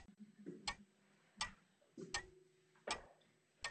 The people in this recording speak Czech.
To je zvláště případ jižního Středomoří.